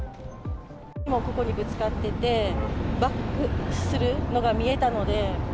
もうここにぶつかってて、バックするのが見えたので。